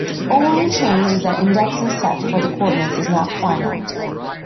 The only change is that the indexing set for the coordinates is not finite.